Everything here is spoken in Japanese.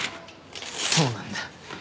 そうなんだ。